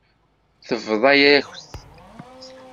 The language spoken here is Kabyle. Tebḍa-yas-tent-id.